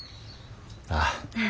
ああ。